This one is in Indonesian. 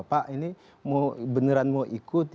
pak ini mau beneran mau ikut